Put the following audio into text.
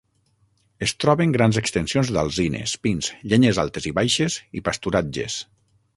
Es troben grans extensions d'alzines, pins, llenyes altes i baixes i pasturatges.